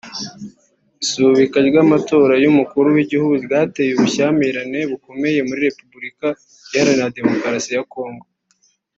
Isubika ry'amatora y'umukuru w'igihugu ryateye ubushyamirane bukomeye muri Repubulika Iharanira Demokarasi ya Congo